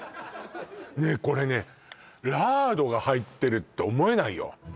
これねラードが入ってるって思えないよ？